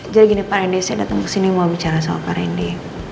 jadi gini farindi saya datang ke sini mau bicara sama farindi